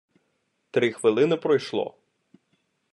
три хвилини пройшло.